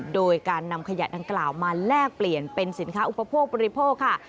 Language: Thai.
โดยการนำขยะดังกล่าวมาแลกเปลี่ยนเป็นสินค้าอุปโภคบริโภคค่ะ